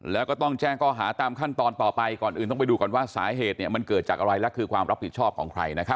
แล้วก็ต้องแจ้งข้อหาตามขั้นตอนต่อไปก่อนอื่นต้องไปดูก่อนว่าสาเหตุมันเกิดจากอะไรและคือความรับผิดชอบของใครนะครับ